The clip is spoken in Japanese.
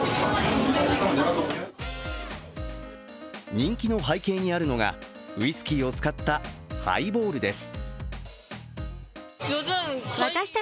人気の背景にあるのが、ウイスキーを使ったハイボールです。